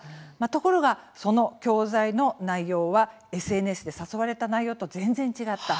ところが、その教材の内容はＳＮＳで誘われた内容と全然違った。